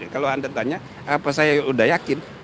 kalau anda tanya apa saya udah yakin